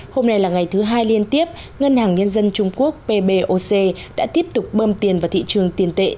hôm nay là ngày thứ hai liên tiếp ngân hàng nhân dân trung quốc pboc đã tiếp tục bơm tiền vào thị trường tiền tệ